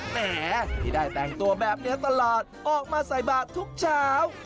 แหมที่ได้แต่งตัวแบบเนื้อตลาดออกมาใส่บาททุกเช้า